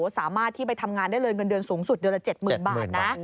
สามารถที่ไปทำงานได้เลยเงินเดือนสูงสุดเดือนละ๗๐๐บาทนะ